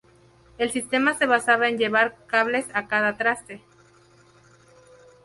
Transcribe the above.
El sistema se basaba en llevar cables a cada traste.